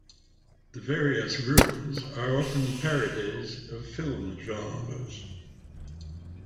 The various rooms are often parodies of film genres.